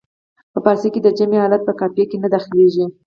په فارسي کې د جمع حالت په قافیه کې نه داخلیږي.